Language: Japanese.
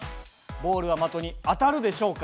ボールは的に当たるでしょうか？